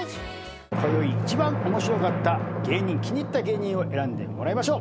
こよい一番面白かった芸人気に入った芸人を選んでもらいましょう。